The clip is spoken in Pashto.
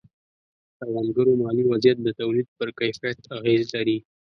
د کروندګرو مالي وضعیت د تولید پر کیفیت اغېز لري.